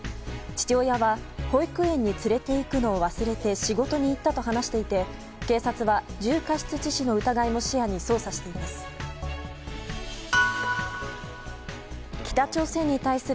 父親は保育園に連れていくのを忘れて仕事に行ったと話していて警察は重過失致死の疑いも視野に捜査しています。